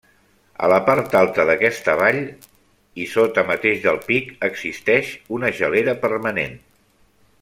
A la part alta d'aquesta vall i sota mateix del pic, existeix una gelera permanent.